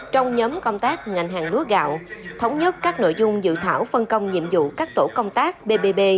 trong nhóm công tác ngành hàng lúa gạo thống nhất các nội dung dự thảo phân công nhiệm vụ các tổ công tác bbb